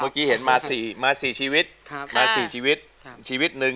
เมื่อกี้เห็นมา๔ชีวิต